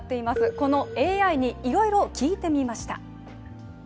このＡＩにいろいろ聞いてみました。